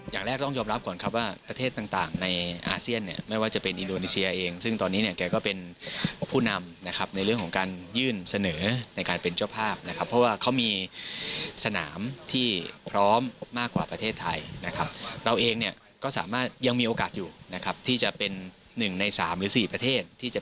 อย่างแรกต้องยอมรับก่อนครับว่าประเทศต่างในอาเซียนเนี่ยไม่ว่าจะเป็นอินโดนีเซียเองซึ่งตอนนี้เนี่ยแกก็เป็นผู้นำนะครับในเรื่องของการยื่นเสนอในการเป็นเจ้าภาพนะครับเพราะว่าเขามีสนามที่พร้อมมากกว่าประเทศไทยนะครับเราเองเนี่ยก็สามารถยังมีโอกาสอยู่นะครับที่จะเป็นหนึ่งในสามหรือสี่ประเทศที่จะ